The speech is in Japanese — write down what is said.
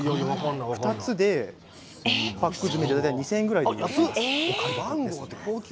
２つでパック詰めで大体２０００円ぐらいです。